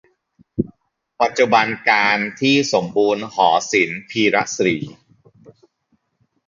ปัจจุบันกาลที่สมบูรณ์ หอศิลป พีระศรี